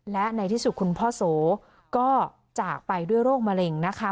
และในที่สุดคุณพ่อโสก็จากไปด้วยโรคมะเร็งนะคะ